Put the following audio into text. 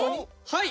はい！